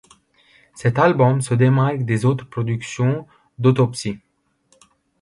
Cet album se démarque des autres productions d’Autopsy.